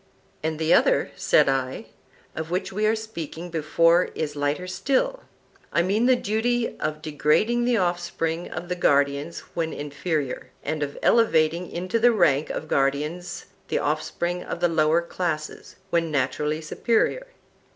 And the other, said I, of which we were speaking before is lighter still,—I mean the duty of degrading the offspring of the guardians when inferior, and of elevating into the rank of guardians the offspring of the lower classes, when naturally superior.